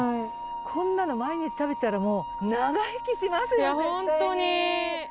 こんなの毎日食べてたらもう長生きしますよ絶対に。